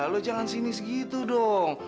lo jangan sinis gitu dong